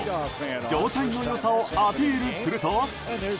状態の良さをアピールすると。